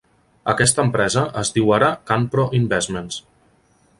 Aquesta empresa es diu ara Canpro Investments.